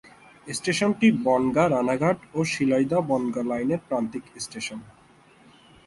স্টেশনটি বনগাঁ-রানাঘাট ও শিয়ালদাহ-বনগাঁ লাইনের প্রান্তিক স্টেশন।